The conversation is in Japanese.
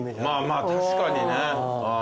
まぁまぁ確かにね。